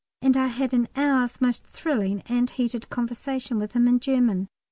And I had an hour's most thrilling and heated conversation with him in German.